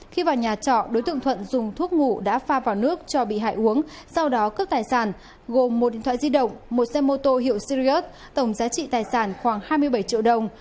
khi vào nhà trọ đối tượng thuận dùng thuốc ngủ đã pha vào nước cho bị hại uống sau đó cướp tài sản gồm một điện thoại di động một xe mô tô hiệu sirius tổng giá trị tài sản khoảng hai mươi bảy triệu đồng